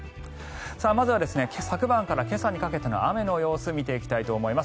まずは昨晩から今朝にかけての雨の様子を見ていきたいと思います。